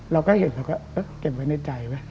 เราก็เห็นเราก็เก็บไว้ในใจไหม